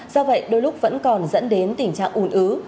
do vậy đôi lúc vẫn còn dẫn đến tình trạng ủn ứ